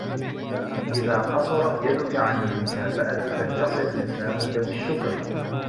إذا قصرت يدك عن المكافأة فليصل لسانك بالشكر